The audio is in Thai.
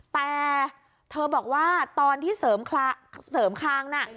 แต่เธอบอกว่าตอนที่เสริมคางน่ะ